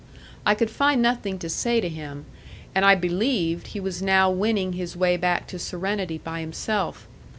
I could find nothing to say to him, and I believed he was now winning his way back to serenity by himself.